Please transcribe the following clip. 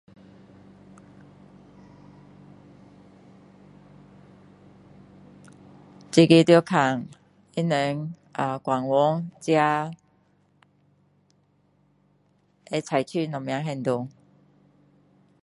[unintelligible] 这个得看他们 ahh 官员自会采取什么行动。